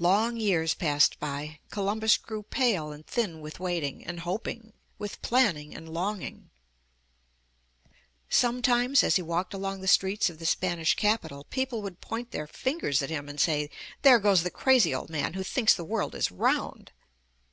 Long years passed by. Columbus grew pale and thin with waiting and hoping, with planning and longing. Sometimes as he walked along the streets of the Spanish capital people would point their fingers at him and say: * There goes the crazy old man who 208 UP ONE PAIR OF STAIRS thinks the world is round."